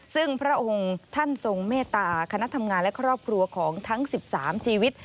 ซึ่งพระองค์ท่านทรงเมตตาคณะทำงานและครอบครัวของทั้ง๑๓ชีวิต